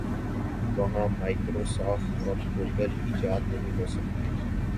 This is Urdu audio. وہاں مائیکرو سافٹ اور گوگل ایجاد نہیں ہو سکتے۔